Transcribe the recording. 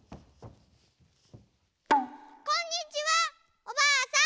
こんにちはおばあさん。